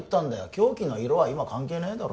凶器の色は今関係ねえだろ